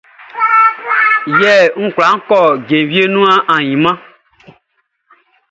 Ye kwla kɔ jenvie nuan ainman?